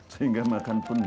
sehingga makan pun enggak